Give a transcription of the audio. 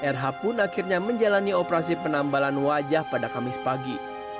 rh pun akhirnya menjalani operasi penambalan wajah pada kamis pagi